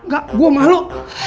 gak gue malu